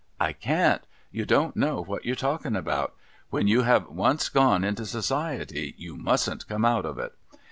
' I can't. You don't know what you're talking about, ^^'hen you have once gone into Society, you mustn't come out of it.'